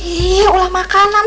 iya ulah makanan